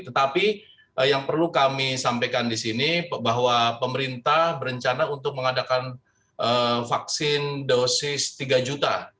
tetapi yang perlu kami sampaikan di sini bahwa pemerintah berencana untuk mengadakan vaksin dosis tiga juta